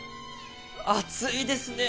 熱いですね！